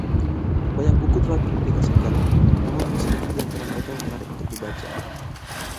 Banyak buku telah dipublikasikan, namun hanya sedikit diantara mereka yang menarik untuk dibaca.